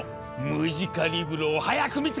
ムジカリブロを早く見つけないと！